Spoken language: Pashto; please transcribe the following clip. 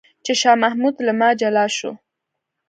چې شاه محمود له ما جلا شو.